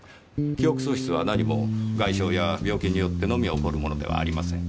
記憶喪失は何も外傷や病気によってのみ起こるものではありません。